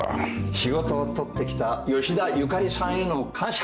仕事を取ってきた吉田ゆかりさんへの感謝。